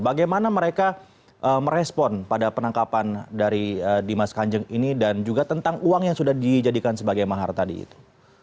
bagaimana mereka merespon pada penangkapan dari dimas kanjeng ini dan juga tentang uang yang sudah dijadikan sebagai mahar tadi itu